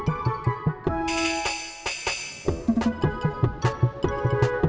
sekarang dia kalau n aplicasi abang kapan usah mati